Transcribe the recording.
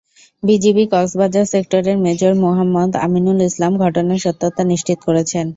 BGB Cox's Bazar সেক্টরের major Muhammad Aminul Islam ঘটনার সত্যতা নিশ্চিত করেছেন।